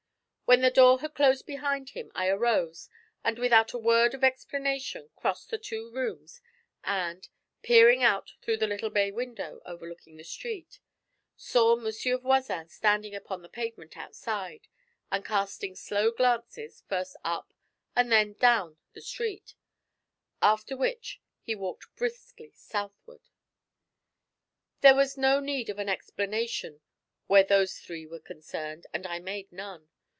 When the door had closed behind him I arose, and without a word of explanation crossed the two rooms, and, peering out through the little bay window overlooking the street, saw Monsieur Voisin standing upon the pavement outside, and casting slow glances, first up and then down the street; after which he walked briskly southward. There was no need of an explanation where those three were concerned, and I made none.